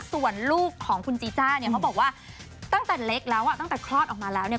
ส่วนลูกของคุณจีจ้าเนี่ยเขาบอกว่าตั้งแต่เล็กแล้วอ่ะตั้งแต่คลอดออกมาแล้วเนี่ย